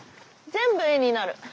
全部絵になる。